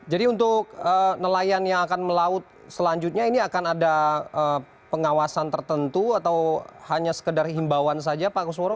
jadi untuk nelayan yang akan melaut selanjutnya ini akan ada pengawasan tertentu atau hanya sekedar himbauan saja pak kusworo